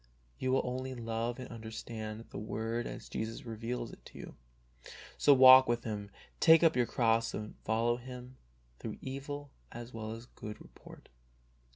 You will only love and understand the Word as Jesus reveals' it to you. So walk with Him, take up your cross and follow Him through evil as well as good report.